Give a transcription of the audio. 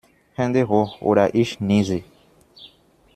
Hände hoch oder ich niese!